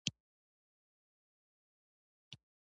احمد خورا خپل کار ته ځيږ شوی دی.